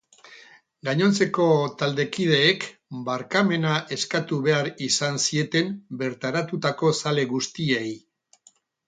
Gainontzeko taldekideek barkamena eskatu behar izan zieten bertaratutako zale guztiei.